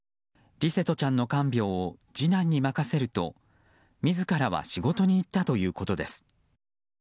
琉聖翔ちゃんの看病を次男に任せると自らは仕事に行ったということです。